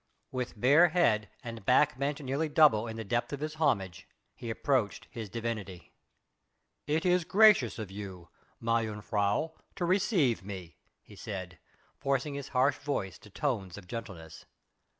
With bare head and back bent nearly double in the depth of his homage he approached his divinity. "It is gracious of you, mejuffrouw, to receive me," he said forcing his harsh voice to tones of gentleness.